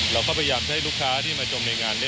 เราก็พยายามจะให้ลูกค้าที่มาจมในงานนี้